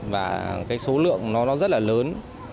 và cái số lượng nó rất là lớn